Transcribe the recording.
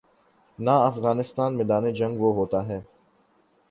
نہ افغانستان میدان جنگ وہ ہوتا ہے۔